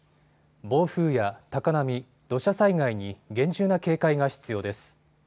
暴風や高波、土砂災害に厳重な警戒が必要です。